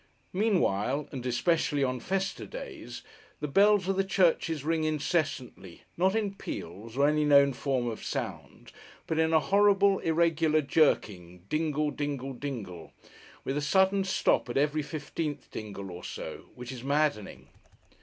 Meanwhile (and especially on festa days) the bells of the churches ring incessantly; not in peals, or any known form of sound, but in a horrible, irregular, jerking, dingle, dingle, dingle: with a sudden stop at every fifteenth dingle or so, which is maddening.